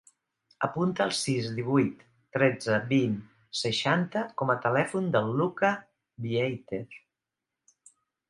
Apunta el sis, divuit, tretze, vint, seixanta com a telèfon del Lucca Vieitez.